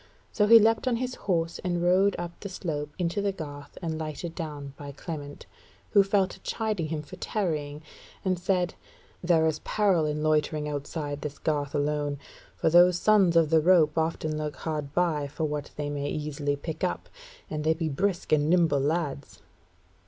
So he leapt on his horse and rode up the slope into the garth and lighted down by Clement; who fell to chiding him for tarrying, and said: "There is peril in loitering outside this garth alone; for those Sons of the Rope often lurk hard by for what they may easily pick up, and they be brisk and nimble lads."